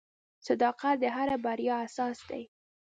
• صداقت د هر بریا اساس دی.